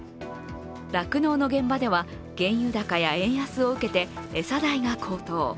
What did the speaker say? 酪農の現場では、原油高や円安を受けて餌代が高騰。